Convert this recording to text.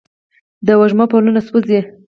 د وږمو پلونه سوزي